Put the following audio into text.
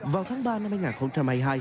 vào tháng ba năm hai nghìn hai mươi hai